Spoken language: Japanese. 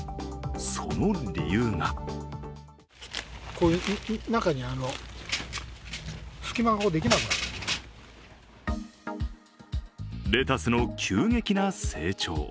その理由がレタスの急激な成長。